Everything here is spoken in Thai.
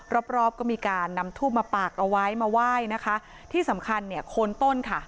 รอบรอบก็มีการนำทูบมาปากเอาไว้มาไหว้นะคะที่สำคัญเนี่ยโคนต้นค่ะ